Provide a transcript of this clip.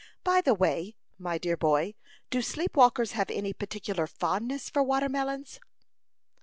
By the way, my dear boy, do sleep walkers have any particular fondness for watermelons?"